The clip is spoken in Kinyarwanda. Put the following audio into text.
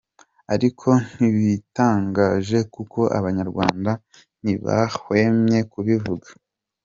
Ariko ntibitangaje kuko abanyarwanda ntibahwemye kubivuga.